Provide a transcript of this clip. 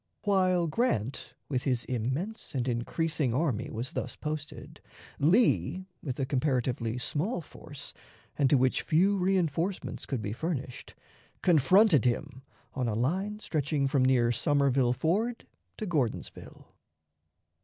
While Grant with his immense and increasing army was thus posted, Lee, with a comparatively small force, and to which few reënforcements could be furnished, confronted him on a line stretching from near Somerville Ford to Gordonsville.